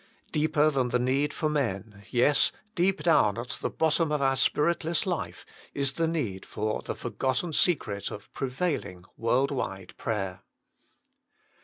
Deeper than the need for men ay, deep down at the bottom of our spiritless life, is the need for the forgotten secret of prevailing, world wide prayer."